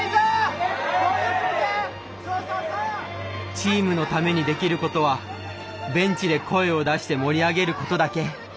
チームのためにできることはベンチで声を出して盛り上げることだけ。